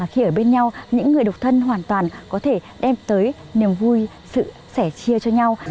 khi ở bên nhau những người độc thân hoàn toàn có thể đem tới niềm vui sự sẻ chia cho nhau